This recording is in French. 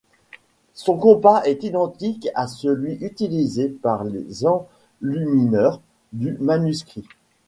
Son compas est identique à celui utilisé par les enlumineurs du manuscrit.